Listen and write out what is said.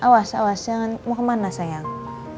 awas awas jangan mau kemana sayang